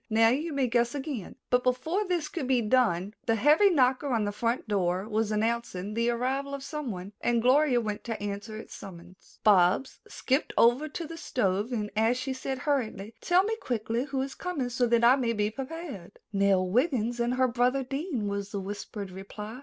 "Now you may guess again." But before this could be done, the heavy knocker on the front door was announcing the arrival of someone, and Gloria went to answer its summons. Bobs skipped over to the stove as she said hurriedly, "Tell me quickly who is coming, so that I may be prepared." "Nell Wiggin and her brother Dean," was the whispered reply.